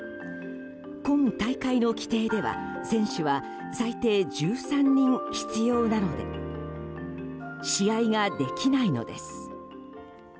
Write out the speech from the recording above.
今大会の規定では選手は最低１３人必要なので試合ができないのです。